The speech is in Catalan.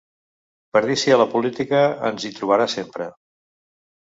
Per dir sí a la política, ens hi trobarà sempre.